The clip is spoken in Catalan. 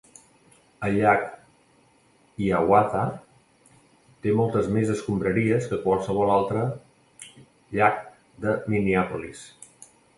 El llac Hiawatha té moltes més escombraries que qualsevol altre llac de Minneapolis.